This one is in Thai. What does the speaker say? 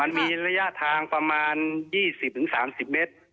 มีระยะทางประมาณ๒๐๓๐เมตร